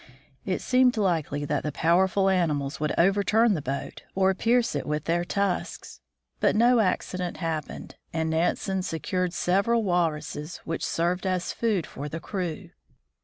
It seemed likely that the powerful animals would overturn the boat or pierce it with their tusks. But no accident happened, and Nansen secured several walruses, which served as food for the crew.